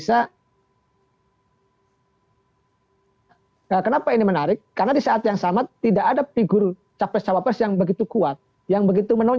sampai hari ini tidak ada figur lain yang kita diskusikan